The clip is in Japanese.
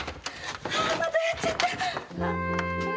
ああまたやっちゃった！